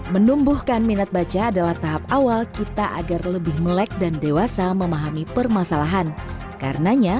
menumbuhkan minat baca adalah tahap awal kita agar lebih melek dan dewasa memahami permasalahan karenanya